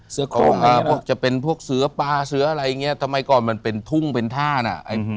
พวกจะเป็นพวกเสือปลาเสืออะไรอย่างเงี้ทำไมก่อนมันเป็นทุ่งเป็นท่านอ่ะ